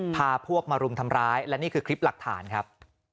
พาพวกมารุมทำร้ายและนี่คือคลิปหลักฐานครับ